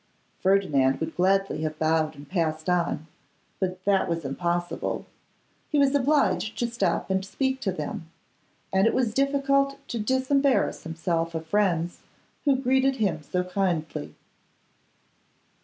Ferdinand would gladly have bowed and passed on; but that was impossible. He was obliged to stop and speak to them, and it was difficult to disembarrass himself of friends who greeted him so kindly.